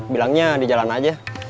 bilangnya di jalan aja